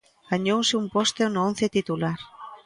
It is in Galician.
Gañouse un posto no once titular.